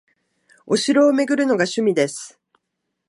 お城を巡るのが趣味です